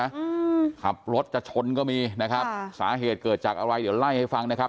อืมขับรถจะชนก็มีนะครับค่ะสาเหตุเกิดจากอะไรเดี๋ยวไล่ให้ฟังนะครับ